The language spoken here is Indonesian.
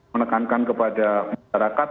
menekankan kepada masyarakat